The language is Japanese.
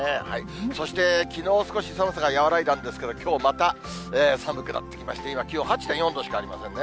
そして、きのう少し寒さが和らいだんですけど、きょうまた寒くなってきまして、今、気温８．４度しかありませんね。